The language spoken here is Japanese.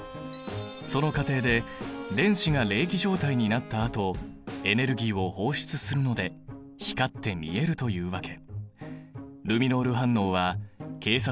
その過程で電子が励起状態になったあとエネルギーを放出するので光って見えるというわけ。